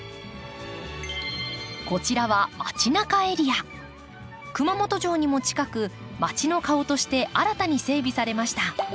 こちらは熊本城にも近くまちの顔として新たに整備されました。